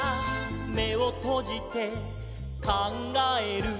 「めをとじてかんがえる」